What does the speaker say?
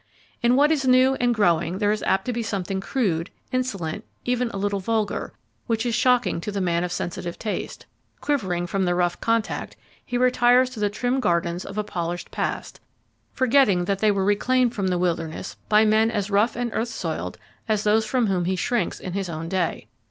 In what is new and growing there is apt to be something crude, insolent, even a little vulgar, which is shocking to the man of sensitive taste; quivering from the rough contact, he retires to the trim gardens of a polished past, forgetting that they were reclaimed from the wilderness by men as rough and earth soiled as those from whom he shrinks in his own day.